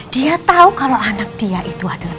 dia tahu kalau anak dia itu adalah